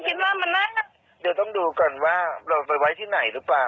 คิดว่ามันน่าจะเดี๋ยวต้องดูก่อนว่าเราไปไว้ที่ไหนหรือเปล่า